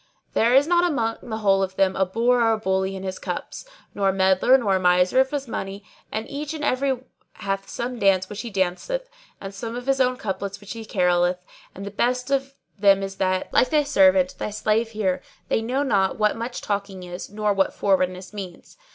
There is not among the whole of them a bore or a bully in his cups; nor a meddler nor a miser of his money, and each and every hath some dance which he danceth and some of his own couplets which he caroleth; and the best of them is that, like thy servant, thy slave here, they know not what much talking is nor what forwardness means.